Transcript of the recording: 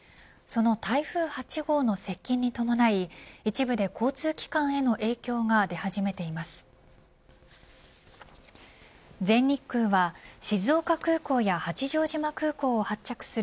その台風８号の接近に伴い一部で交通機関への影響が出始めています。